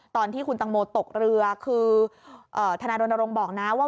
ตอนที่คุณตังโมตกเรือคือทนายรณรงค์บอกนะว่า